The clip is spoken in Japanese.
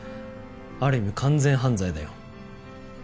ある意味完全犯罪だよ。